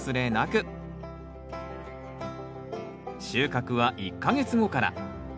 収穫は１か月後から。